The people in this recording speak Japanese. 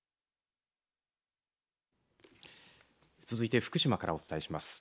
続いて福島からお伝えします。